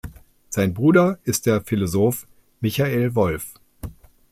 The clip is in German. Sein Bruder ist der Philosoph Michael Wolff.